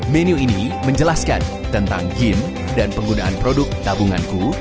menu ini menjelaskan tentang game dan penggunaan produk tabunganku